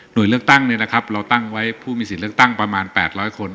โดยเลือกตั้งเราตั้งไว้ผู้มีสิทธิ์เลือกตั้งประมาณ๘๐๐คน